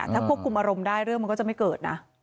ถ้าควบคุมอารมณ์ได้เรื่องมันก็จะไม่เกิดนะ